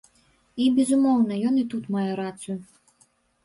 І, безумоўна, ён і тут мае рацыю.